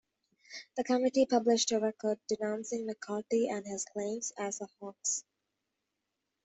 The committee published a report denouncing McCarthy and his claims as a hoax.